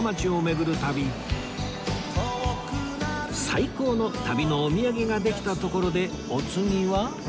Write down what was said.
最高の旅のお土産ができたところでお次は